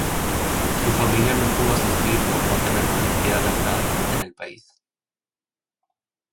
Su familia no pudo asistir por no tener permitida la entrada en el país.